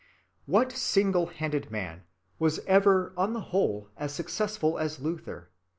What single‐handed man was ever on the whole as successful as Luther?